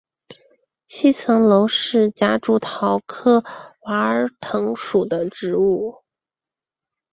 七层楼是夹竹桃科娃儿藤属的植物。